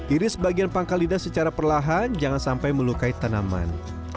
iris bagian pangkal lidah secara perlahan jangan sampai melukai tanaman